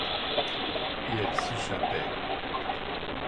Et elle s'échappait.